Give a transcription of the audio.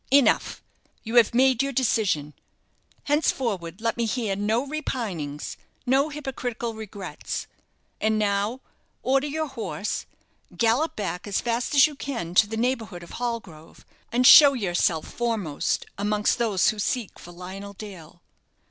"Enough! You have made your decision. Henceforward let me hear no repinings, no hypocritical regrets. And now, order your horse, gallop back as fast as you can to the neighbourhood of Hallgrove, and show yourself foremost amongst those who seek for Lionel Dale."